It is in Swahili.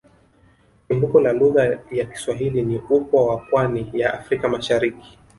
Chimbuko la lugha ya Kiswahili ni upwa wa pwani ya Afrika Mashariki